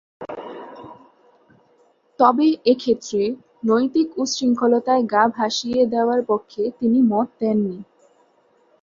তবে এক্ষেত্রে নৈতিক উচ্ছৃঙ্খলতায় গা ভাসিয়ে দেওয়ার পক্ষে তিনি মত দেননি।